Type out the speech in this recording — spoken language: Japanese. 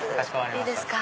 いいですか？